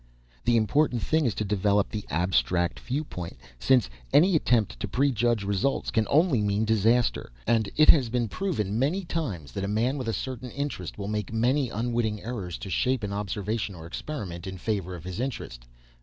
The important thing is to develop the abstract viewpoint, since any attempt to prejudge results can only mean disaster. And it has been proved many times that a man with a certain interest will make many unwitting errors to shape an observation or experiment in favor of his interest.